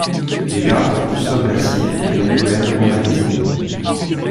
Les larves consomment la cire et le pollen emmagasinés.